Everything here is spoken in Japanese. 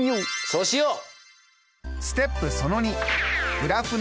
そうしよう！